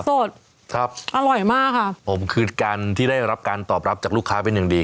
สดครับอร่อยมากค่ะผมคือการที่ได้รับการตอบรับจากลูกค้าเป็นอย่างดี